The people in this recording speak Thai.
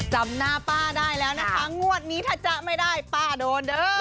จำหน้าป้าได้แล้วนะคะงวดนี้ถ้าจ๊ะไม่ได้ป้าโดนเด้อ